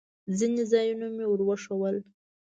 ځینې ځایونه مې ور وښوول.